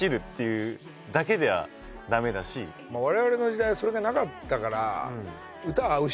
ただ我々の時代それがなかったから。